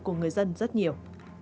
của người dân rất nhiều